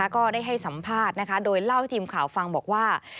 ก็ได้ให้สัมภาษณ์โดยเล่าให้ทีมข่าวฟังบอกว่า